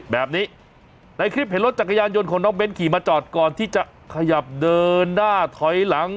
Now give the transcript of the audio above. แบบนี้ในคลิปเห็นรถจักรยานยนต์ของน้องเบ้นขี่มาจอดก่อนที่จะขยับเดินหน้าถอยหลัง